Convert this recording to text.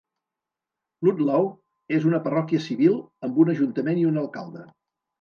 Ludlow és una parròquia civil amb un ajuntament i un alcalde.